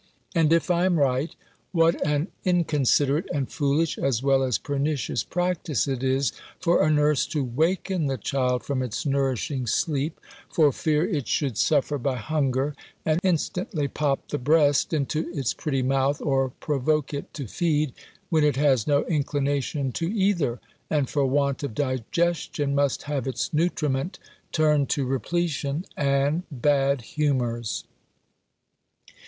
And, if I am right, what an inconsiderate and foolish, as well as pernicious practice it is, for a nurse to waken the child from its nourishing sleep, for fear it should suffer by hunger, and instantly pop the breast into its pretty mouth, or provoke it to feed, when it has no inclination to either, and for want of digestion, must have its nutriment turned to repletion, and bad humours!